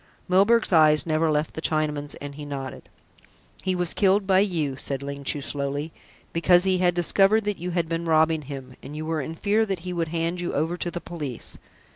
Milburgh's eyes never left the Chinaman's, and he nodded. "He was killed by you," said Ling Chu slowly, "because he had discovered that you had been robbing him, and you were in fear that he would hand you over to the police."